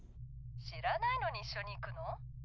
知らないのに一緒に行くの？